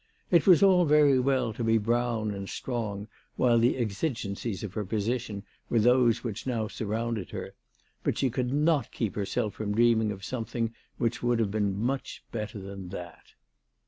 It was all very well to be brown and strong while the exigencies of her position were those which now surrounded her ; but she could not keep herself from dreaming of something which would have been much better than that.